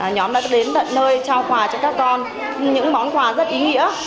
nhóm đã đến tận nơi trao quà cho các con những món quà rất ý nghĩa